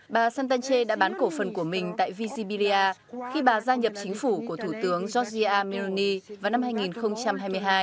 bà santace đã bán cổ phần của mình tại visibilia khi bà gia nhập chính phủ của thủ tướng giorgia meloni vào năm hai nghìn hai mươi hai